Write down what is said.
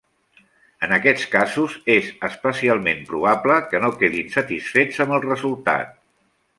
En aquests casos és especialment probable que no quedin satisfets amb el resultat.